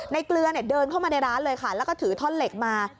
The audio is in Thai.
เกลือเดินเข้ามาในร้านเลยค่ะแล้วก็ถือท่อนเหล็กมา